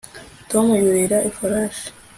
Tom yurira ifarashi